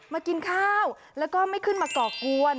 มากินข้าวแล้วก็ไม่ขึ้นมาก่อกวน